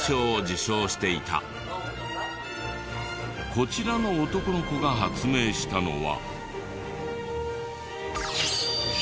こちらの男の子が発明したのは。